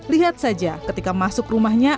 lihat saja ketika masuk rumahnya